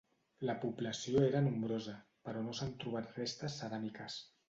La població era nombrosa, però no s'han trobat restes ceràmiques.